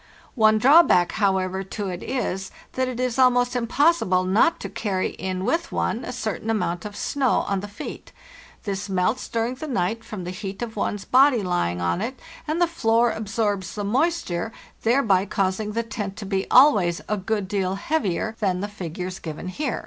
One drawback, however, to it is, that it is almost impossible not to carry in with one a certain amount of snow on the feet. This melts during the night from the heat of one's body lying on it, and the floor absorbs the moisture, thereby causing the tent to be always a good deal heavier than the figures given here.